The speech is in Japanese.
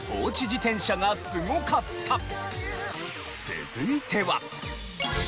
続いては。